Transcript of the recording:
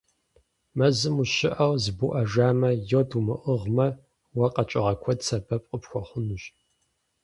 Мэзым ущыӀэу зыбуӀэжамэ, йод умыӀыгъмэ, уэ къэкӀыгъэ куэд сэбэп къыпхуэхъунущ.